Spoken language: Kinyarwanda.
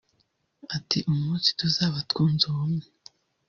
Ati “Umunsi tuzaba twunze ubumwe